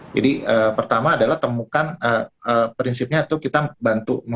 jadi pertama adalah temukan prinsipnya itu kita bantu